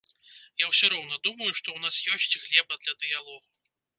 Я усё роўна думаю, што ў нас ёсць глеба для дыялогу.